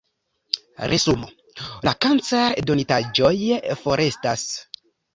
Resumo: la kancer-donitaĵoj forestas.